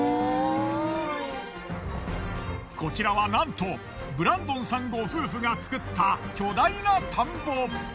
こちらはなんとブランドンさんご夫婦が作った巨大な田んぼ。